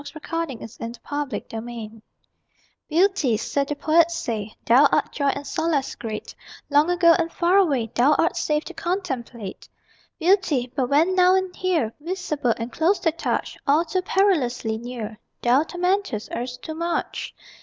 May, 1919 SONG, IN DEPRECATION OF PULCHRITUDE Beauty (so the poets say), Thou art joy and solace great; Long ago, and far away Thou art safe to contemplate, Beauty. But when now and here, Visible and close to touch, All too perilously near, Thou tormentest us too much!